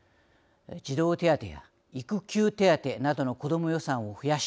児童手当や育休手当などのこども予算を増やし